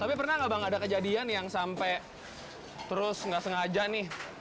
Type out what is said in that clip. tapi pernah nggak bang ada kejadian yang sampai terus nggak sengaja nih